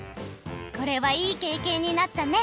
これはいいけいけんになったね。